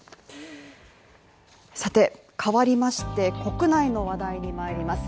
さて、変わりまして国内の話題にまいります。